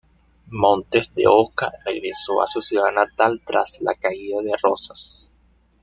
Montes de Oca regresó a su ciudad natal tras la caída de Rosas.